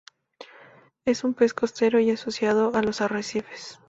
Es un pez costero, y asociado a los arrecifes.